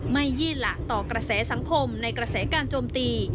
ยี่หละต่อกระแสสังคมในกระแสการโจมตี